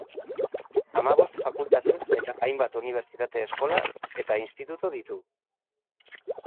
Hamabost fakultate eta hainbat unibertsitate eskola eta institutu ditu.